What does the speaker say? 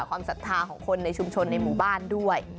ศรัทธาของคนในชุมชนในหมู่บ้านด้วย